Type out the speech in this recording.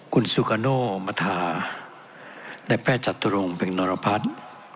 คุณสุฆาโนมธาและแพทย์จัตรุงเป็นนรพัฒน์